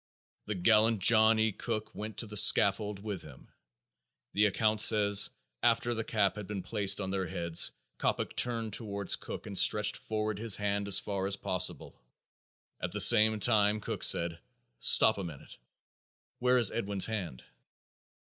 The gallant John E. Cook went to the scaffold with him. The account says: "After the cap had been placed on their heads, Coppock turned toward Cook and stretched forward his hand as far as possible. At the same time Cook said, 'Stop a minute where is Edwin's hand?'